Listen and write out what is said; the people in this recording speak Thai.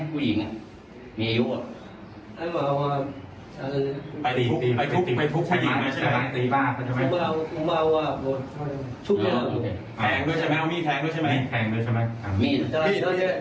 ก็มีตัวดูไม่ได้